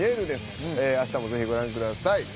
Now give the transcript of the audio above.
明日もぜひご覧ください。